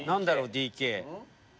ＤＫ。